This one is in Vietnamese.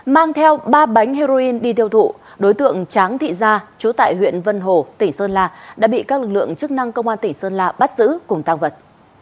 mang theo ba bánh heroin đi tiêu thụ đối tượng tráng thị gia chú tại huyện vân hồ tỉnh sơn la đã bị các lực lượng chức năng công an tỉnh sơn la bắt giữ cùng tăng vật